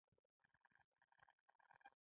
مېکاروني مو زړه نه مني.